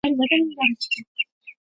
چې نن اعلانيږي سبا اعلانيږي.